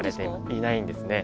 いないんですね。